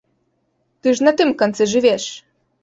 Ты ж на тым канцы жывеш?